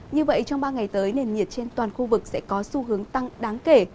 như vậy trong ba ngày tới nền nhiệt trên toàn khu vực sẽ có xu hướng tăng đáng kể